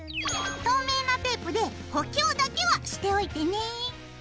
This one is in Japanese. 透明なテープで補強だけはしておいてね。